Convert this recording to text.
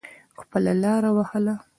خپله لاره وهله.